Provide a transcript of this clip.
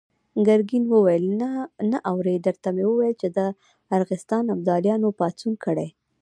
ګرګين وويل: نه اورې! درته ومې ويل چې د ارغستان ابداليانو پاڅون کړی.